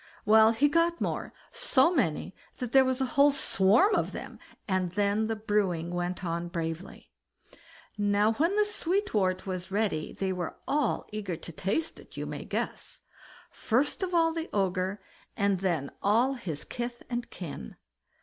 Well, he got more—so many, that there was a whole swarm of them, and then the brewing went on bravely. Now when the sweet wort was ready, they were all eager to taste it, you may guess; first of all the Ogre, and then all his kith and kin.